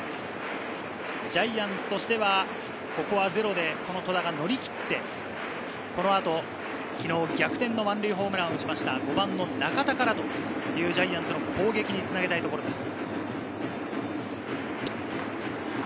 ジャイアンツとしては、ここはゼロで戸田が乗り切って、この後、昨日逆転の満塁ホームランを打った５番の中田からというジャイアンツの攻撃につなげたいところです。